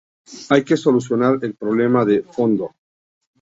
hay que solucionar el problema de fondo